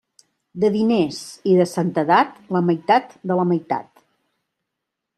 De diners i de santedat, la meitat de la meitat.